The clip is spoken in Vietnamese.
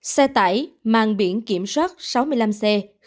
xe tải màng biển kiểm soát sáu mươi năm c hai nghìn ba trăm bốn mươi hai